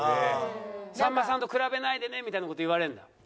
さんまさんと比べないでねみたいな事言われるんだ。